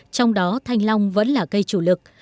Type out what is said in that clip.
trong đó thanh long vẫn là cây chủ lực